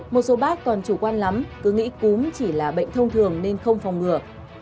một số bác còn chủ quan lắm cứ nghĩ cúm chỉ là bệnh thông thường nên không phòng ngừa